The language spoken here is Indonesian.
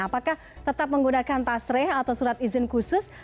apakah tetap menggunakan tas reh atau surat izin khusus